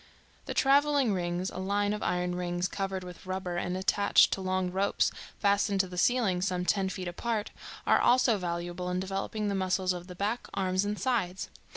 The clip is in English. The traveling rings, a line of iron rings, covered with rubber and attached to long ropes fastened to the ceiling some ten feet apart, are also valuable in developing the muscles of the back, arms and sides.